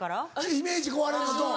イメージ壊れるのと。